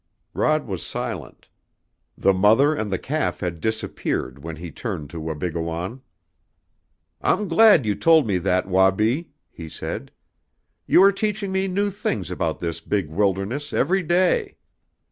Rod was silent. The mother and the calf had disappeared when he turned to Wabigoon. "I'm glad you told me that, Wabi," he said. "You are teaching me new things about this big wilderness every day.